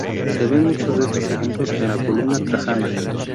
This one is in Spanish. Se ven muchos de estos ejemplos en la columna trajana.